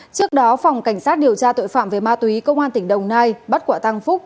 trước đó phòng cảnh sát điều tra tội phạm về ma túy công an tỉnh đồng nai bắt quả tăng phúc